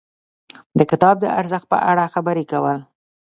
د کتاب د ارزښت په اړه خبرې کول.